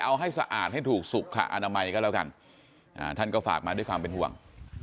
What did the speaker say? เอาให้สะอาดให้ถูกสุขอนามัยก็แล้วกันท่านก็ฝากมาด้วยความเป็นห่วง